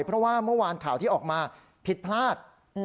เพราะว่าเมื่อวานข่าวที่ออกมาผิดพลาด